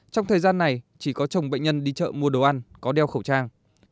trong thời gian này chỉ có chồng bệnh nhân đi chợ mua đồ ăn có đeo khẩu trang